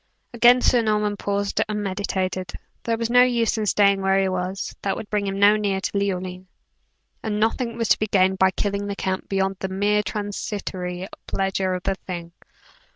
Again Sir Norman paused and meditated. There was no use in staying where he was, that would bring him no nearer to Leoline, and nothing was to be gained by killing the count beyond the mere transitory pleasure of the thing.